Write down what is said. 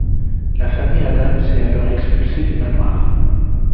La famille Addams est alors expulsée du manoir.